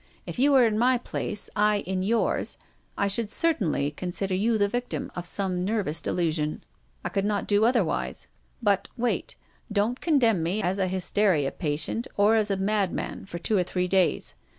If you were in my place, I in yours, I should certainly consider you the victim of some nervous delusion. I could not do other wise. But — wait. Don't condemn me as a hys teria patient, or as a madman, for two or three days.